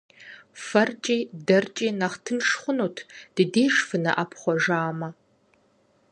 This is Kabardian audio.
ФэркӀи дэркӀи нэхъ тынш хъунут ди деж фынэӀэпхъуэжамэ.